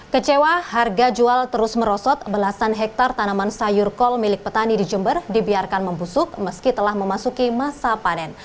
kecewa harga jual terus merosot belasan hektare tanaman sayur kol milik petani di jember dibiarkan membusuk meski telah memasuki masa panen